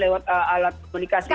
lewat alat komunikasi kita